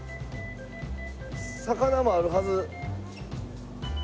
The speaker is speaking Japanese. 魚もあるはず。